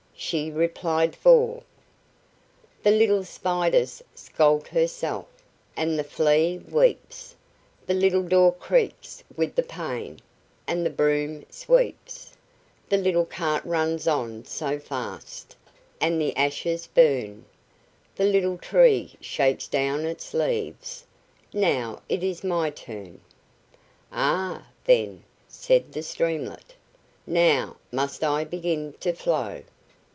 she replied; for "The little Spider's scalt herself, And the Flea weeps; The little door creaks with the pain, And the broom sweeps; The little cart runs on so fast, And the ashes burn; The little tree shakes down its leaves Now it is my turn!" "Ah, then," said the streamlet, "now must I begin to flow."